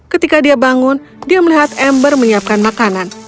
ketika dia bangun dia melihat ember menyiapkan makanan